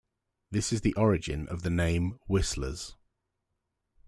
This is the origin of the name "whistlers".